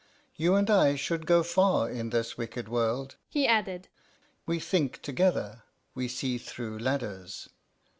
You and I should go far in this wicked world,' he added. 'We think together, we see through ladders.